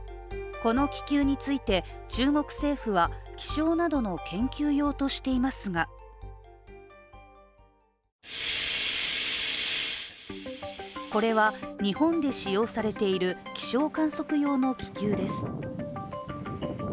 この気球について、中国政府は気象などの研究用としていますがこれは日本で使用されている気象観測用の気球です。